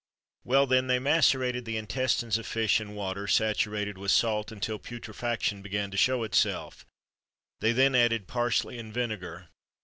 Well, then, they macerated the intestines of fish in water, saturated with salt, until putrefaction began to show itself; they then added parsley and vinegar.